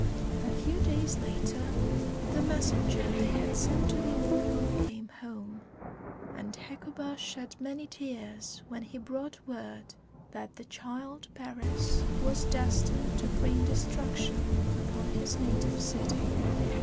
A few days later the messenger they had sent to the oracle came home, and Hecuba shed many tears when he brought word that the child Paris was destined to bring destruction upon his native city.